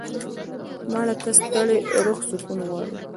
مړه ته د ستړي روح سکون غواړو